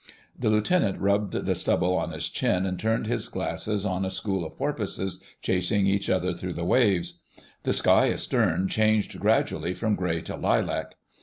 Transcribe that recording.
The Lieutenant rubbed the stubble on his chin and turned his glasses on a school of porpoises chasing each other through the waves. The sky astern changed gradually from grey to lilac.